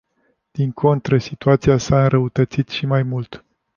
Din contră, situația s-a înrăutățit și mai mult.